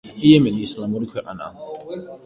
იემენი ისლამური ქვეყანაა.